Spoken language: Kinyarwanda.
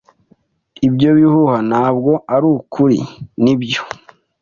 Ibyo bihuha ntabwo arukuri, nibyo?